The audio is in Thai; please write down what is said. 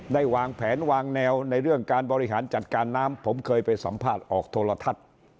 วางแผนวางแนวในเรื่องการบริหารจัดการน้ำผมเคยไปสัมภาษณ์ออกโทรทัศน์